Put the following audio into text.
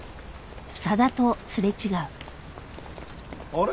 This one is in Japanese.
あれ？